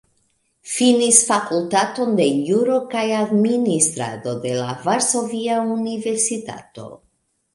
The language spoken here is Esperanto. Finis Fakultaton de Juro kaj Administrado de la Varsovia Universitato.